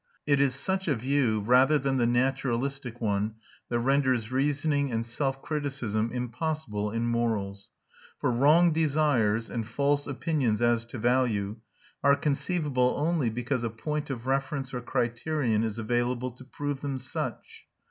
It is such a view, rather than the naturalistic one, that renders reasoning and self criticism impossible in morals; for wrong desires, and false opinions as to value, are conceivable only because a point of reference or criterion is available to prove them such.